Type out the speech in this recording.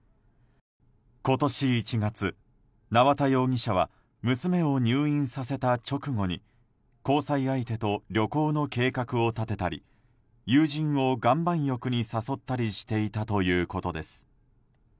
今年１月、縄田容疑者は娘を入院させた直後に交際相手と旅行の計画を立てたり友人を岩盤浴に誘ったりしていたということです。